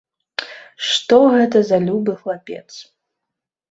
Што гэта за любы хлапец!